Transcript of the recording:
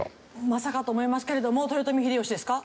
まさかと思いますけれども豊臣秀吉ですか？